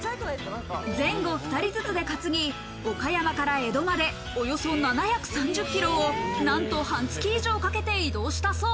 前後２人ずつで担ぎ、岡山から江戸までおよそ７３０ｋｍをなんと半月以上かけて移動したそう。